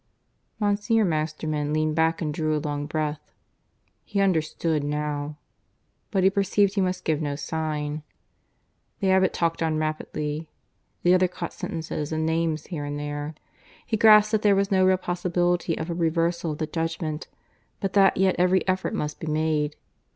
Monsignor Masterman leaned back and drew a long breath. He understood now. But he perceived he must give no sign. The abbot talked on rapidly; the other caught sentences and names here and there: he grasped that there was no real possibility of a reversal of the judgment, but that yet every effort must be made.